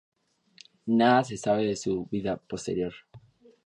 Nada se sabe de su vida posterior.